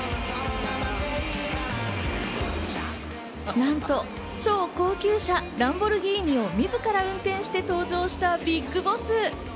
なんと、超高級車ランボルギーニをみずから運転して登場したＢＩＧＢＯＳＳ。